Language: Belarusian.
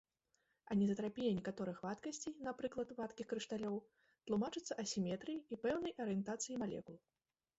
Анізатрапія некаторых вадкасцей, напрыклад, вадкіх крышталёў, тлумачыцца асіметрыяй і пэўнай арыентацыяй малекул.